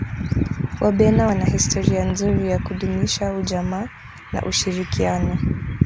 wabena wana historia nzuri ya kudumisha ujamaa na ushirikiano